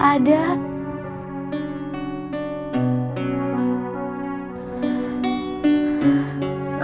emak teh juga